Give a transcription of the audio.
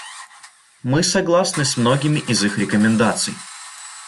Мы согласны с многими из их рекомендаций.